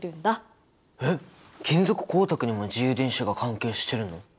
えっ金属光沢にも自由電子が関係してるの？